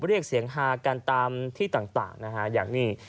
เรียกเสียงฮากันตามที่ต่างนะฮะอย่างนี้